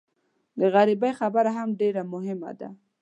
د غریبۍ خبره هم ډېره مهمه ده.